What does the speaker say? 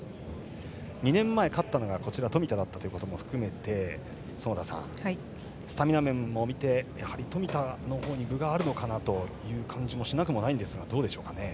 ２年前勝ったのが冨田だったことも含めて園田さん、スタミナ面も見てやはり冨田のほうに分があるのかなという感じもしなくもないんですが。